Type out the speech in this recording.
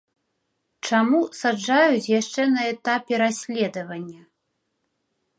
Чаму саджаюць яшчэ на этапе расследавання?